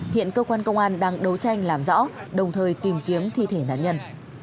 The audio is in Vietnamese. hiện cơ quan công an đang đấu tranh làm rõ đồng thời tìm kiếm thi thể nạn nhân